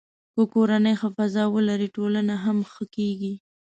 که کورنۍ ښه فضا ولري، ټولنه هم ښه کېږي.